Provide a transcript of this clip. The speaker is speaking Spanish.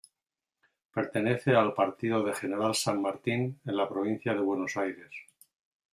Pertenece al partido de General San Martín en la provincia de Buenos Aires.